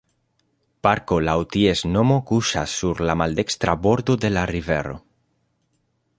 Parko laŭ ties nomo kuŝas sur la maldekstra bordo de la rivero.